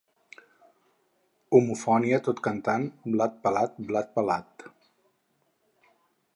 Homofonia tot cantant «Blat pelat, blat pelat».